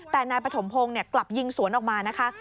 แต่นายปฐมพงศ์กลับยิงสวนออกมานะคะ